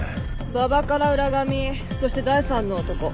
馬場から浦上へそして第３の男。